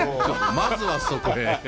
まずはそこへ。